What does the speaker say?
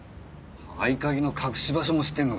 合い鍵の隠し場所も知ってんのかよ。